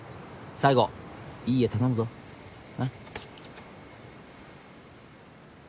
最後いい画頼むぞなっ。